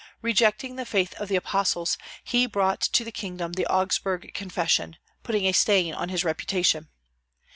Rejecting the faith of the Apostles, he brought to the kingdom the Augsburg Confession, putting a stain on his reputation.